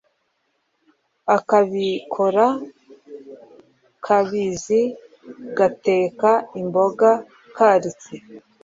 Akabikora kabizi gateka imboga karitse.